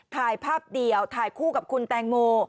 ถ่ายภาพเดียวถ่ายคู่กับคุณแตงโม